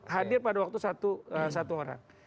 hadir pada waktu satu orang